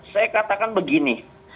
saya katakan begini